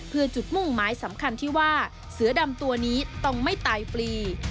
เพื่อจุดมุ่งหมายสำคัญที่ว่าเสือดำตัวนี้ต้องไม่ตายฟรี